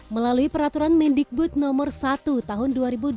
melalui peraturan mendikbud nomor satu tahun dua ribu dua puluh